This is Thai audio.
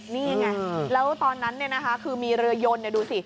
นี่ไงแล้วตอนนั้นคือมีเรือยนดูสิ